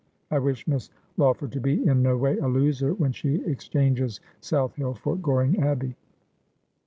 I wish Miss Law ford to be in no way a loser when she exchanges South Hill for Goring Abbey.'